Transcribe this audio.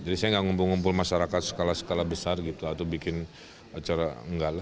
jadi saya tidak mengumpul masyarakat skala skala besar atau bikin acara